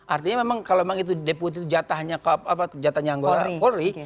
artinya memang kalau memang itu deput jatahnya kapolri